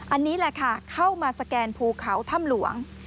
อันนี้แหละค่ะเข้ามาสแกนภูเขาถ้ำหลวง